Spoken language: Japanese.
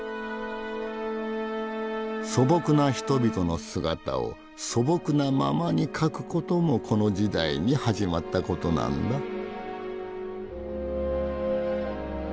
素朴な人々の姿を素朴なままに描くこともこの時代に始まったことなんだ。